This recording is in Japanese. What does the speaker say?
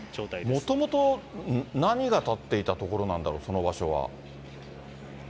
もともと何が建っていた所なんだろう、その場所は。